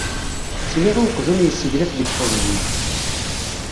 Sliɣ i uqjun yesseglaf deg teẓgi.